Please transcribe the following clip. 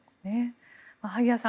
萩谷さん